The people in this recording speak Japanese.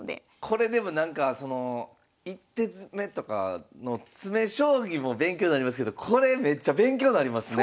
これでもなんかその１手詰とかの詰将棋も勉強になりますけどこれめっちゃ勉強なりますね。